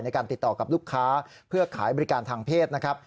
ในการติดต่อกับลูกค้าเพื่อขายบริการทางเพศนะครับ